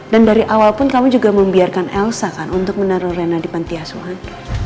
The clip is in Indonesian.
dan dari awal pun kamu juga membiarkan elsa kan untuk menaruh reyna di pentiasuhan